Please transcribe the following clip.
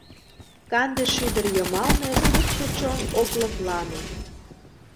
Канде шӱдыр йымалне Суксо чон ок лыплане.